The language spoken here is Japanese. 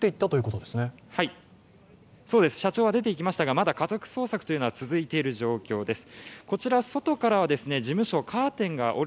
社長は出ていきましたが、まだ家宅捜索は続いている状況です。